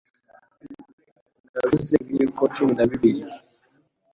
Naguze ibiyiko cumi na bibiri.